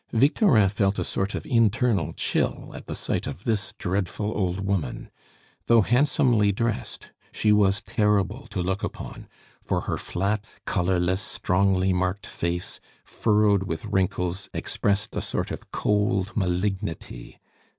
Victorin felt a sort of internal chill at the sight of this dreadful old woman. Though handsomely dressed, she was terrible to look upon, for her flat, colorless, strongly marked face, furrowed with wrinkles, expressed a sort of cold malignity.